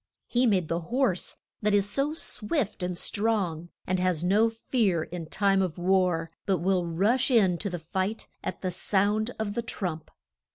He made the horse that is so swift and strong, and has no fear in time of war, but will rush in to the fight at the sound of the trump.